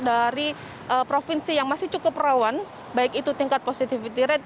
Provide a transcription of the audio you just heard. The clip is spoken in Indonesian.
dari provinsi yang masih cukup rawan baik itu tingkat positivity rate